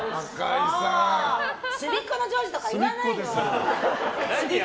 隅っこのジョージとか言わないの！